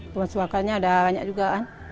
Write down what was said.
tempat suakanya ada banyak juga kan